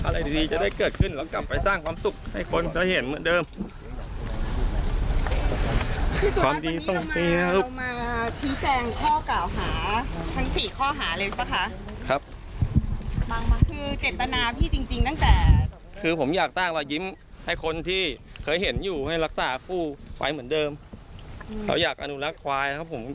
เราอยากอนุรักษ์ควายครับผม